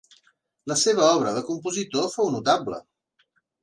La seva obra de compositor fou notable.